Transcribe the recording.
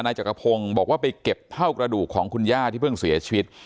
จักรพงศ์บอกว่าไปเก็บเท่ากระดูกของคุณย่าที่เพิ่งเสียชีวิต